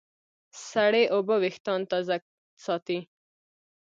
سړې اوبه وېښتيان تازه ساتي.